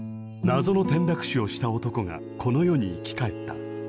謎の転落死をした男がこの世に生き返った。